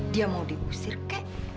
dia mau diusir kek